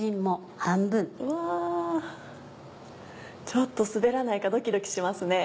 ちょっと滑らないかドキドキしますね。